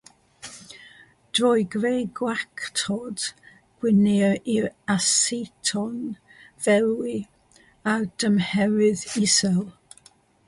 Drwy greu gwactod, gwneir i'r aseton ferwi ar dymheredd isel.